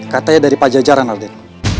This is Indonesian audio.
katanya dari pak jajaran arden